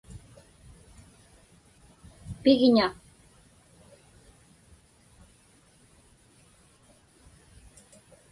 pigña